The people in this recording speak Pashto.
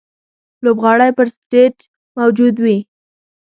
لوبغاړی پر سټېج موجود وي.